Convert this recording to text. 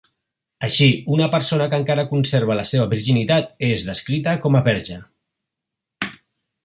Així, una persona que encara conserva la seva virginitat és descrita com a verge.